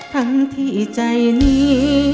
ทั้งที่ใจนี้